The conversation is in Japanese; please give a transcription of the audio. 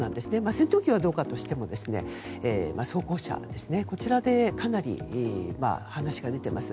戦闘機はどうかとしても装甲車、こちらはかなり話が出ています。